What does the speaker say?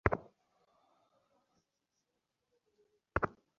এখন লিপস্টিকের রঙে চলছে বেগুনির নানা শেড, বারগ্যান্ডি, লাল—এ রকম গাঢ় রংগুলো।